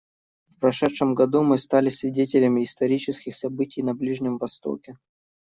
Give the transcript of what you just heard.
В прошедшем году мы стали свидетелями исторических событий на Ближнем Востоке.